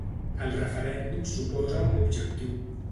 El referèndum suposa un objectiu.